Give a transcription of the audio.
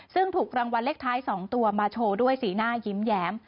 ซึ่งถูกรางวัลเลขท้าย๒ตัวมาโชว์ด้วยสีหน้ายิ้มแย้ม